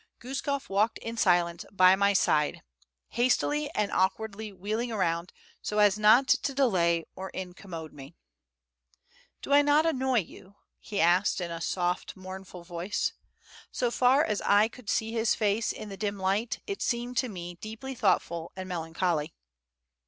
Guskof walked in silence by my side, hastily and awkwardly wheeling around so as not to delay or incommode me. "I do not annoy you?" he asked in a soft, mournful voice. So far as I could see his face in the dim light, it seemed to me deeply thoughtful and melancholy.